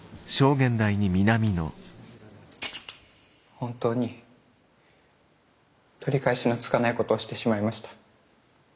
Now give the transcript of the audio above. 本当に取り返しのつかないことをしてしまいました。